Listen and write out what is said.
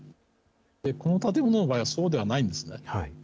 この建物の場合はそうではないんですね。